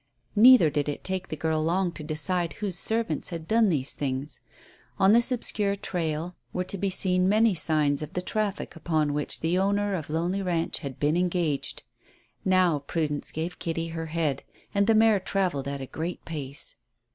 Neither did it take the girl long to decide whose servants had done these things. On this obscure trail were to be seen many signs of the traffic upon which the owner of Lonely Ranch had been engaged. Now Prudence gave Kitty her head, and the mare travelled at a great pace.